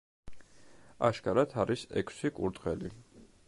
აშკარად არის ექვსი კურდღელი.